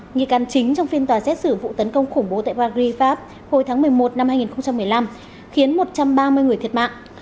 nghi can chính trong phiên tòa xét xử vụ tấn công khủng bố tại paris pháp hồi tháng một mươi một năm hai nghìn một mươi năm khiến một trăm ba mươi người thiệt mạng